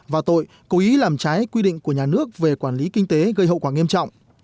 và tội cố ý làm trái quy định của nhà nước về quản lý kinh tế gây hậu quả nghiêm trọng